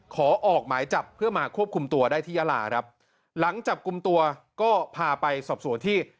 ออกหมายจับเพื่อมาควบคุมตัวได้ที่ยาลาครับหลังจับกลุ่มตัวก็พาไปสอบสวนที่